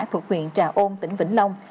thuộc huyện trà ôn tỉnh vĩnh long